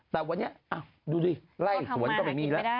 แต่วันนี้ดูดิไล่สวนก็ไม่มีแล้ว